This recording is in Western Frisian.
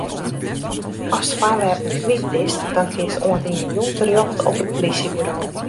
Ast foarwerpen kwyt bist, dan kinst oant yn 'e jûn terjochte op it plysjeburo.